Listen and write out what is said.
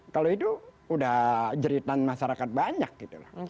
kalau itu sudah jeritan masyarakat banyak gitu